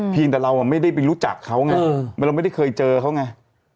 แต่เราไม่ได้ไปรู้จักเขาไงเราไม่ได้เคยเจอเขาไง